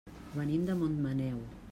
Venim de Montmaneu.